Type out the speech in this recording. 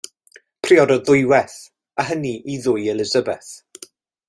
Priododd ddwywaith, a hynny i ddwy Elizabeth.